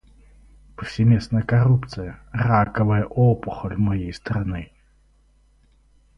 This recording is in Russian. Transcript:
Повсеместная коррупция — раковая опухоль моей страны.